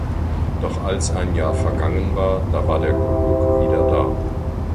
Doch als ein Jahr vergangen war, da war der Kuckuck wieder da.